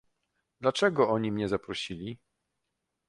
"„Dlaczego oni mnie zaprosili?"